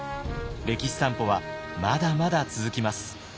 歴史散歩はまだまだ続きます。